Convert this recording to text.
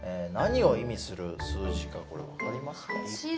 何を意味する数字か分かりますか？